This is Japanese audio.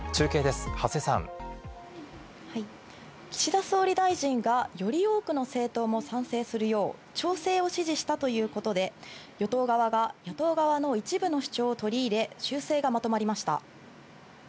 岸田総理大臣が、より多くの政党も賛成するよう調整を指示したということで、与党側が与党側の一部の主張を取り入れ、修正がまとまりました。